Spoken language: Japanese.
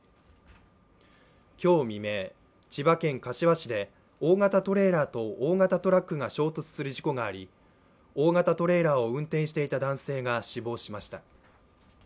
今日未明、千葉県柏市で大型トレーラーと大型トラックが衝突する事故があり大型トレーラーを運転していた男性が死亡しました。